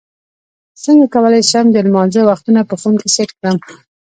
څنګه کولی شم د لمانځه وختونه په فون کې سیټ کړم